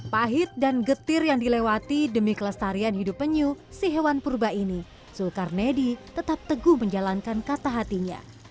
pahit dan getir yang dilewati demi kelestarian hidup penyu si hewan purba ini zulkarnedi tetap teguh menjalankan kata hatinya